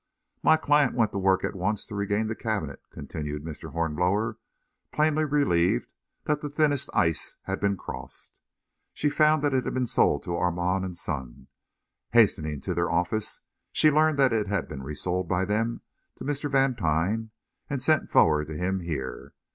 "My client went to work at once to regain the cabinet," continued Mr. Hornblower, plainly relieved that the thinnest ice had been crossed. "She found that it had been sold to Armand & Son. Hastening to their offices, she learned that it had been resold by them to Mr. Vantine and sent forward to him here.